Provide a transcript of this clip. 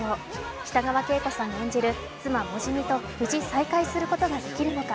北川景子さん演じる、妻・モジミと無事再会することができるのか。